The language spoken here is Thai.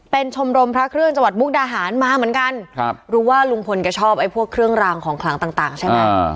เป็นชมรมพระเครื่องจังหวัดมุกดาหารมาเหมือนกันครับรู้ว่าลุงพลแกชอบไอ้พวกเครื่องรางของขลังต่างใช่ไหม